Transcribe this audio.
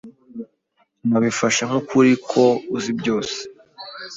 Nabifashe nk'ukuri ko uzi byose.